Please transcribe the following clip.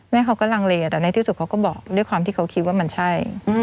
เขาก็ลังเลแต่ในที่สุดเขาก็บอกด้วยความที่เขาคิดว่ามันใช่